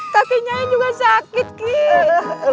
kakinya juga sakit kik